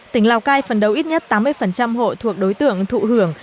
tỉnh lào cai phần đấu ít nhất tám mươi hộ thuộc đối tượng thụ hưởng